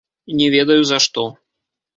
Не ведаю, за што.